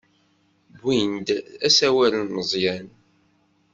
Win d asawal n Meẓyan?